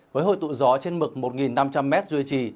với hội tụ gió trên mực một năm trăm linh m duy trì